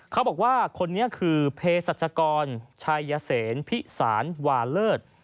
เขาบอกว่าคนนี้คือเพศรัชกรชัยเสนพิสารวาเลิศ